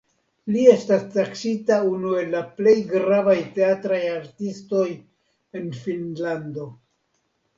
Li estas taksita unu el la plej gravaj teatraj artistoj en Finnlando.